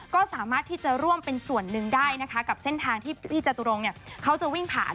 ก็สามารถที่จะร่วมเป็นส่วนหนึ่งได้นะคะกับเส้นทางที่พี่จตุรงเนี่ยเขาจะวิ่งผ่าน